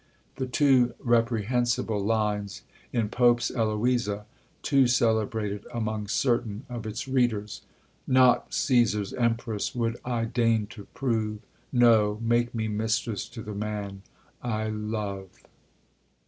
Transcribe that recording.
The two reprehensible lines in Pope's Eloisa, too celebrated among certain of its readers "Not Cesar's empress would I deign to prove; No, make me mistress to the man I love!"